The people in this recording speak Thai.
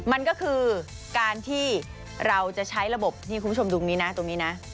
มันก็คือการที่เราจะใช้ระบบที่คุณผู้ชมดูนี้นะตรงนี้นะ